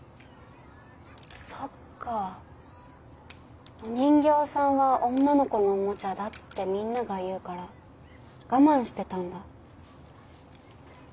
そっかお人形さんは女の子のおもちゃだってみんなが言うから我慢してたんだ。